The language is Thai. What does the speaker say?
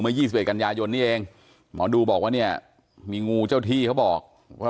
มายี่สิบเอียดกันยายนนี่เองหมอดูบอกว่าเนี้ยมีงูเจ้าที่เขาบอก